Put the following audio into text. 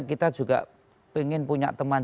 kita juga ingin punya teman